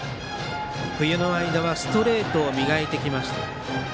冬の間はストレートを磨いてきました。